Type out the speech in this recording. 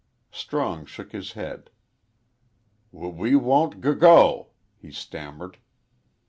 Strong shook his head. "W we got t' g go," he stammered.